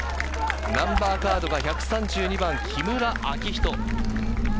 ナンバーカードが１３２番・木村暁仁。